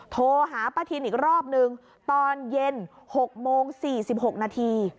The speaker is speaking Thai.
โทรหาป้าทินอีกรอบนึงตอนเย็น๖โมง๔๖นาที